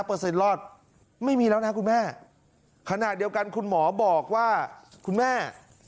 เปิดเสร็จรอดไม่มีแล้วนะคุณแม่ขนาดเดียวกันคุณหมอบอกว่าคุณแม่